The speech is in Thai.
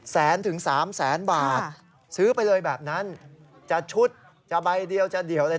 แสนถึงสามแสนบาทซื้อไปเลยแบบนั้นจะชุดจะใบเดียวจะเดี่ยวอะไร